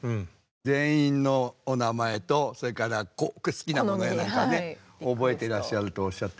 全員のお名前とそれから好きなものやなんかね覚えてらっしゃるとおっしゃってましたけど。